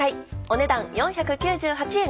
お値段４９８円。